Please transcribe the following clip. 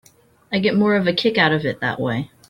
I get more of a kick out of it that way.